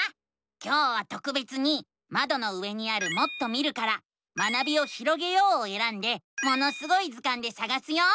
今日はとくべつにまどの上にある「もっと見る」から「学びをひろげよう」をえらんで「ものすごい図鑑」でさがすよ。